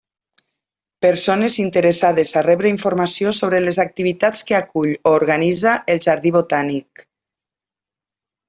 Persones interessades a rebre informació sobre les activitats que acull o organitza el Jardí Botànic.